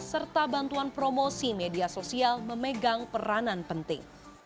serta bantuan promosi media sosial memegang peranan penting